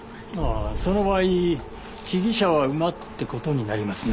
その場合被疑者は馬って事になりますね。